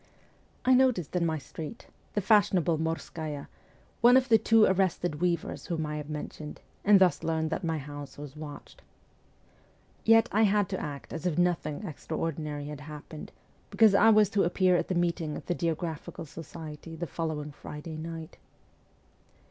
I noticed in my street the fashionable Morskaya one of the two arrested weavers whom I have mentioned, and thus learned that my house was watched. Yet I had to act as if nothing extraordinary had happened, because I was to appear at the meeting of the Geographical Society the following Friday night.